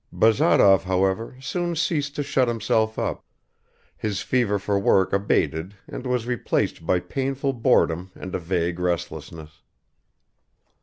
Bazarov, however, soon ceased to shut himself up; his fever for work abated and was replaced by painful boredom and a vague restlessness.